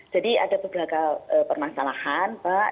jadi ada berbagai permasalahan pak